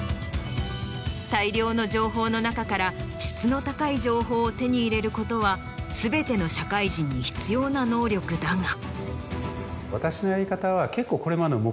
大量の情報の中から質の高い情報を手に入れることは全ての社会人に必要な能力だが。